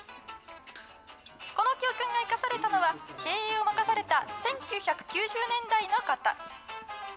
この教訓が生かされたのは、経営を任された１９９０年代のこと。